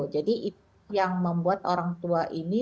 jadi itu yang membuat orang tua ini